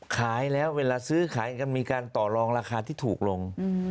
ขายแล้วเวลาซื้อขายกันมีการต่อลองราคาที่ถูกลง